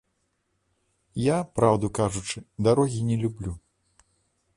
Я, праўду кажучы, дарогі не люблю.